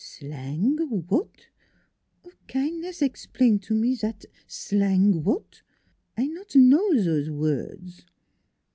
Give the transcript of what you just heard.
" Sl ang w'at? Of kin'ness explain to me zat sl'ang w'at? I not know zose words."